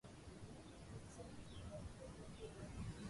Avər anay awara, newuro gapa daw.